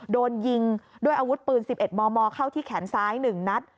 โดนยิงด้วยอาวุธปืน๑๑มมเข้าที่แขนซ้าย๑นัด